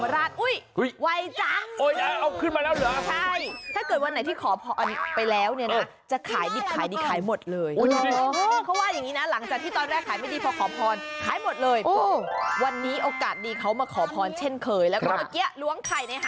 รูปนี้นะคะพี่ผู้หญิงเป็นแม่ค้าขายมะม่วง